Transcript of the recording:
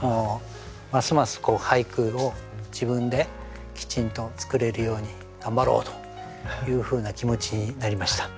ますます俳句を自分できちんと作れるように頑張ろうというふうな気持ちになりました。